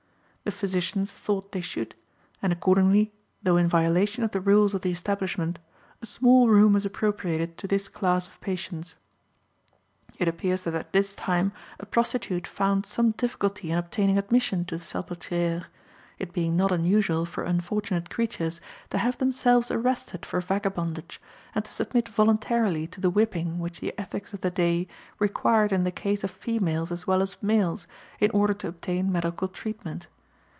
The physicians thought they should, and accordingly, though in violation of the rules of the establishment, a small room was appropriated to this class of patients. It appears that at this time a prostitute found some difficulty in obtaining admission to the Salpétrière; it being not unusual for unfortunate creatures to have themselves arrested for vagabondage, and to submit voluntarily to the whipping which the ethics of the day required in the case of females as well as males, in order to obtain medical treatment.